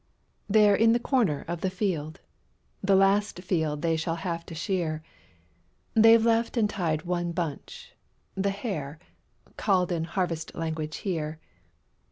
END OF in the corner of the field, * The last field they shall have to shear, They've left and tied one bunch, * the hare/ Called in harvest language here.